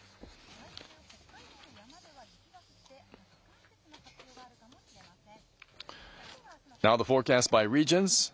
来週、北海道の山では雪が降って初冠雪の発表があるかもしれません。